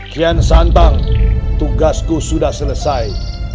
kian santang tugasku sudah selesai